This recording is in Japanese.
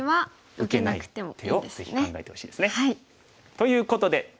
受けない手をぜひ考えてほしいですね。ということで。